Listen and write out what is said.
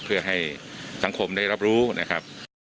เพื่อให้สังคมได้รับรู้นะครับ